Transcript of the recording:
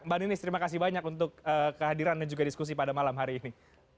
mbak ninis terima kasih banyak untuk kehadiran dan juga diskusi pada malam hari ini